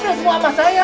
dia ambil semua emas saya